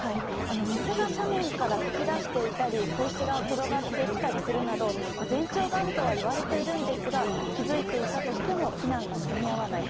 水が斜面から噴き出していたり小石が転がってきたりするなど前兆があるとは言われているんですが気づいていたとしても避難が間に合わない。